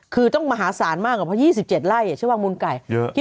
คือต้องมหาศาลมากเพราะว่า๒๗ไร่เชื้อวางมูลไก่